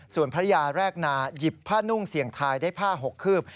ส่วนภรรยาแรกนาหยิบผ้านุ่งเสี่ยงทายได้ผ้าหกคืบ